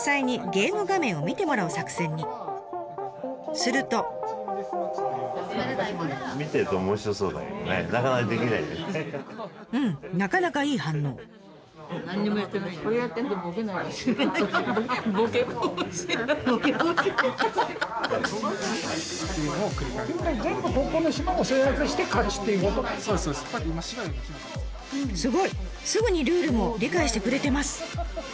すぐにルールも理解してくれてます。